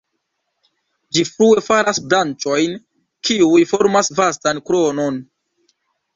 Ĝi frue faras branĉojn, kiuj formas vastan kronon.